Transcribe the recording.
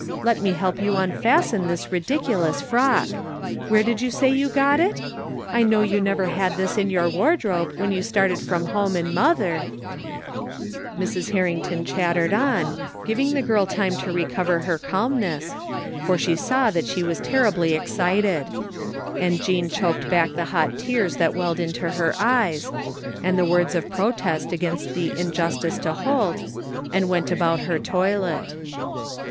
Let me help you unfasten this ridiculous frock. Where did you say you got it ? I know you never had this in your wardrobe when you started from home and mother *' Mrs. Harrington chattered on, giving the girl time to recover her calmness, for she saw that she was ter ribly excited ; and Jean choked back the hot tears that welled to her eyes, and the words of protest against the injustice to Holt, and went about her toilet.